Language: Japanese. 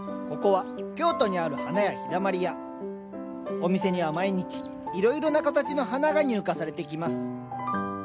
お店には毎日いろいろな形の花が入荷されてきます